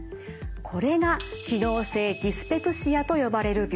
これが機能性ディスペプシアと呼ばれる病気です。